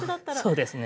そうですね。